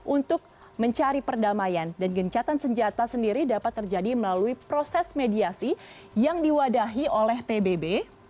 untuk mencari perdamaian dan gencatan senjata sendiri dapat terjadi melalui proses mediasi yang diwadahi oleh pbb